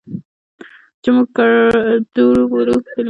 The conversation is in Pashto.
چې موږ ګړدود بولو، په علمي